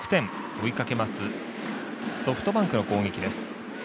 追いかけますソフトバンクの攻撃です。